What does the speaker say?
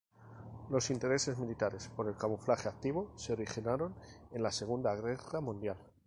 Los intereses militares por el camuflaje activo se originaron en la Segunda Guerra Mundial.